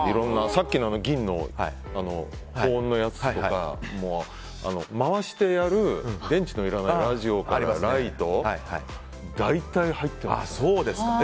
さっきの銀の保温のやつとかも回してやる電池のいらないラジオからライト大体入ってます。